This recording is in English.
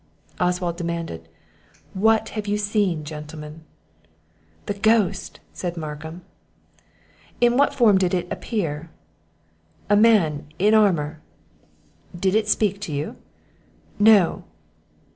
Oswald demanded, "What have you seen, gentlemen?" "The ghost!" said Markham. "In what form did it appear?" "A man in armour." "Did it speak to you?" "No."